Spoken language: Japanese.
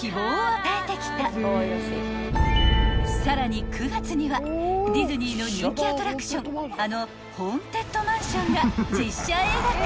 ［さらに９月にはディズニーの人気アトラクションあのホーンテッドマンションが実写映画化］